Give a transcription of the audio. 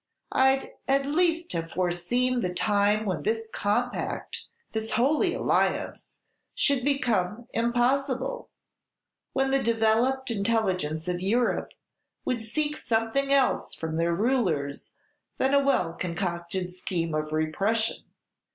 "I'd at least have foreseen the time when this compact, this Holy Alliance, should become impossible; when the developed intelligence of Europe would seek something else from their rulers than a well concocted scheme of repression.